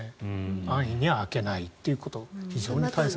安易に開けないということ非常に大切だと思います。